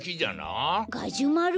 ガジュマル？